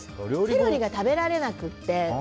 セロリが食べられなくって。